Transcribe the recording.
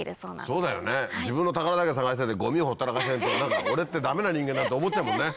そうだよね自分の宝だけ探しててゴミをほったらかしてると俺ってダメな人間だなって思っちゃうもんね。